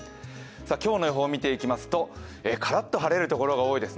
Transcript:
今日の予報を見ていきますとカラッと晴れる所が多いです。